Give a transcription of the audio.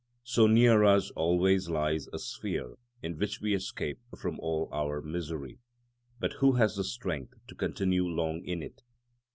So near us always lies a sphere in which we escape from all our misery; but who has the strength to continue long in it?